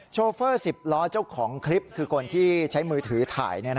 โชเฟอร์๑๐ล้อเจ้าของคลิปคือคนที่ใช้มือถือถ่าย